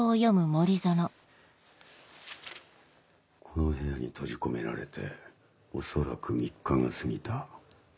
「この部屋に閉じ込められておそらく三日が過ぎた。